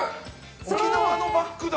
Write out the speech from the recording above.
沖縄のバッグだ！